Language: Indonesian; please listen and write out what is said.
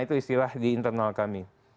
itu istilah di internal kami